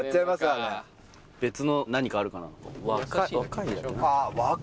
別の何かあるかな